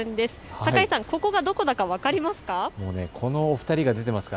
高井さん、ここがどこだか分かりますか。